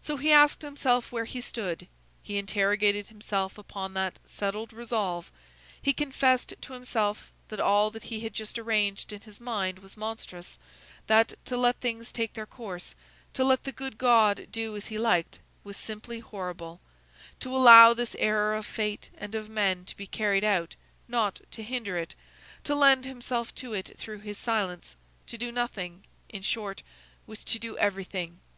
So he asked himself where he stood. He interrogated himself upon that "settled resolve." He confessed to himself that all that he had just arranged in his mind was monstrous, that "to let things take their course, to let the good God do as he liked," was simply horrible; to allow this error of fate and of men to be carried out, not to hinder it, to lend himself to it through his silence, to do nothing, in short, was to do everything!